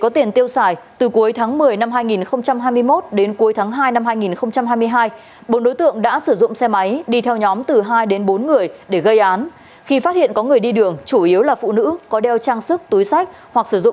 tin an ninh trả tự